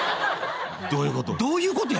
どういうこと？